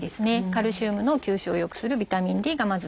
カルシウムの吸収を良くするビタミンＤがまず大事。